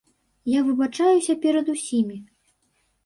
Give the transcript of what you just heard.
Я выбачаюся перад усімі.